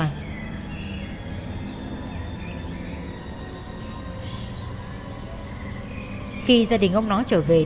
sau khi gia đình ông nó trở về từ nơi di tán